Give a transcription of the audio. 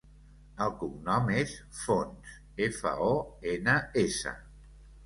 El cognom és Fons: efa, o, ena, essa.